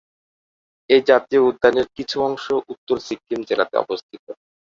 এই জাতীয় উদ্যানের কিছু অংশ উত্তর সিক্কিম জেলাতে অবস্থিত।